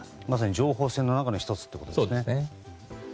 まさに情報戦の中の１つということですね。